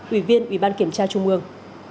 ủy viên ủy ban kiểm tra trung mương